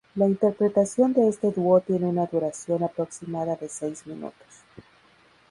La interpretación de este dúo tiene una duración aproximada de seis minutos.